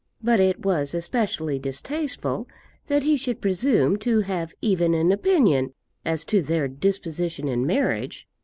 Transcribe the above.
But it was especially distasteful that he should presume to have even an opinion as to their disposition in marriage.